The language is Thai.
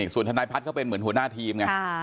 ส่วนทนายพัฒน์เขาเป็นเหมือนหัวหน้าทีมไง